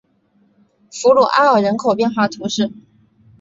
弗鲁阿尔人口变化图示